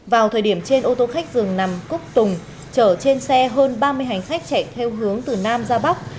vào thời điểm trên ô tô khách dường nằm cúc tùng chở trên xe hơn ba mươi hành khách chạy theo hướng từ nam ra bắc